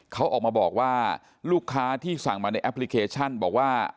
เขาออกมาบอกว่าลูกค้าที่สั่งมาในแอปพลิเคชันบอกว่า